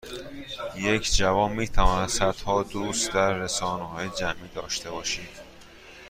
یک جوان میتواند صدها دوست در رسانههای جمعی داشته باشد